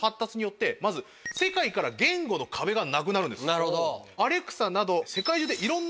なるほど。